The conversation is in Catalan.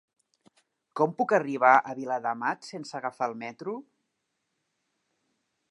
Com puc arribar a Viladamat sense agafar el metro?